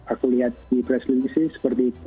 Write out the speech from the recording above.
aku lihat di presleis sih seperti itu